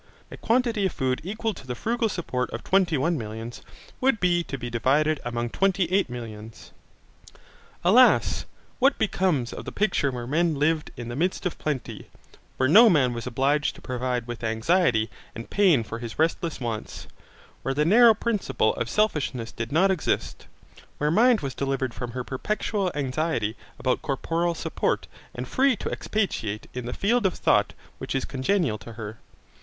A quantity of food equal to the frugal support of twenty one millions, would be to be divided among twenty eight millions. Alas! what becomes of the picture where men lived in the midst of plenty, where no man was obliged to provide with anxiety and pain for his restless wants, where the narrow principle of selfishness did not exist, where Mind was delivered from her perpetual anxiety about corporal support and free to expatiate in the field of thought which is congenial to her.